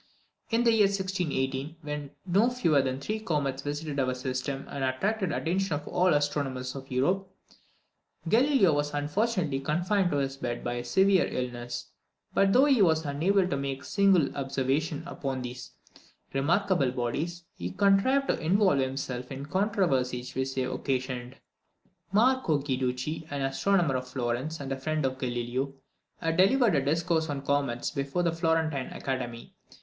In the year 1618, when no fewer than three comets visited our system, and attracted the attention of all the astronomers of Europe, Galileo was unfortunately confined to his bed by a severe illness; but, though he was unable to make a single observation upon these remarkable bodies, he contrived to involve himself in the controversies which they occasioned. Marco Guiducci, an astronomer of Florence, and a friend of Galileo, had delivered a discourse on comets before the Florentine Academy.